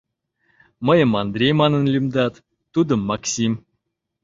— Мыйым Андрей манын лӱмдат, тудым — Максим.